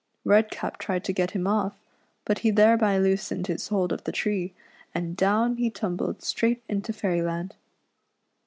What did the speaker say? Redcap tried to get him off, but he thereby loosened his hold of the tree, and down he tumbled straight into Fairyland.